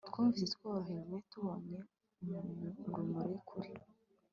Twumvise tworohewe tubonye urumuri kure